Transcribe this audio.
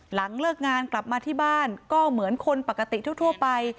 หลังเลิกงานกลับมาที่บ้านก็เหมือนคนปกติทั่วไป